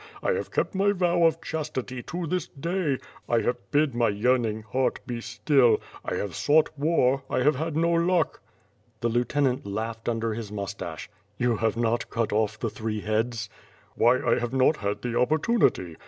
I have kept my vow of chastity to this day; I have bid my yearning heart be still; I have sought war; I have had no luck. ..." The lieutenant laughed under his moustache. "You have not cut off the three heads ?'* "Why, I have not had the opportunity.